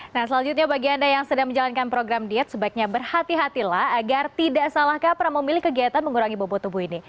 nah selanjutnya bagi anda yang sedang menjalankan program diet sebaiknya berhati hatilah agar tidak salah kaprah memilih kegiatan mengurangi bobot tubuh ini